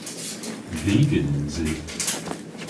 Vegan yns i.